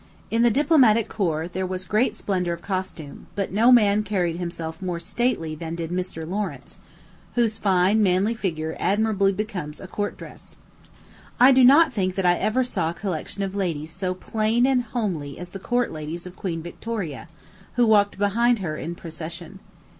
In the diplomatic corps there was great splendor of costume, but no man carried himself more stately than did Mr. Lawrence, whose fine, manly figure admirably becomes a court dress. I do not think that I ever saw a collection of ladies so plain and homely as the court ladies of Queen Victoria, who walked behind her in procession.